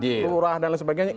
turah dan lain sebagainya